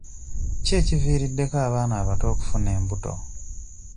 Ki ekiviiriddeko abaana abato okufuna embuto?